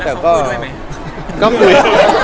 ต้องคุยด้วยมั้ย